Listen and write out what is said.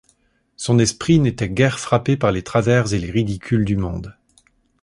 Son esprit n’était guère frappé par les travers et les ridicules du monde.